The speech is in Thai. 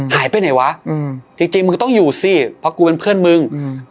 หายไปไหนวะอืมจริงจริงมึงต้องอยู่สิเพราะกูเป็นเพื่อนมึงอืม